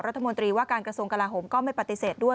รัฐมนตรีว่าการกระทรวงกลาโหมก็ไม่ปฏิเสธด้วย